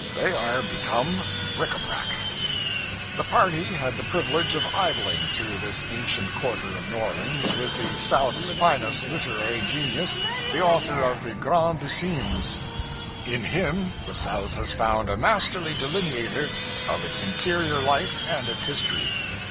They are become bric a brac. The party had the privilege of idling through this ancient quarter of New Orleans with the South's finest literary genius, the author of 'the Grandissimes.' In him the South has found a masterly delineator of its interior life and its history.